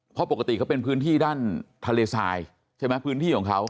เพราะปกติเขาเป็นพื้นที่ด้านทะเลทรายใช่ไหมพื้นที่ของเขา